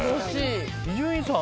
伊集院さん